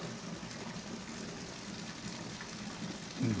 うん。